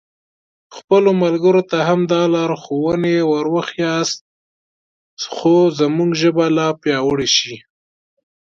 خپلو ملګرو ته هم دا لارښوونې ور وښیاست څو زموږ ژبه لا پیاوړې شي.